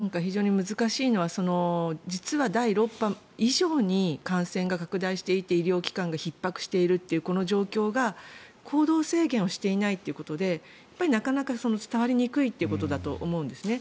今回非常に難しいのは実は第６波以上に感染が拡大していて医療機関がひっ迫しているというこの状況が行動制限をしていないということでなかなか伝わりにくいということだと思うんですね。